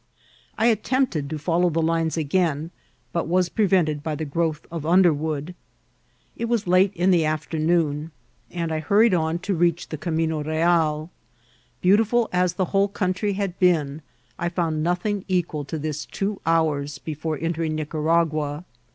I attempted to follow the lines again, bat was prevented by the growth of underwood* It was late in the afternoon, and I hurried on to 404 IHCIDXHTI or TEATXL. reach the Camino BeaL Beaotifvd aa the whole coun try had been, I found nothing equal to this two hours before entering Nicaragua.